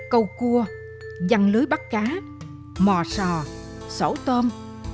câu cua văn lưới bắt cá mò sò sổ tôm